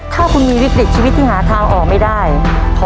เท่าไหร่